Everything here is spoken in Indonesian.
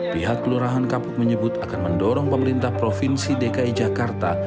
pihak kelurahan kapuk menyebut akan mendorong pemerintah provinsi dki jakarta